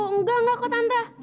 enggak enggak kok tante